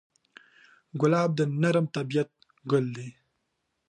ګلاب د نرم طبعیت ګل دی.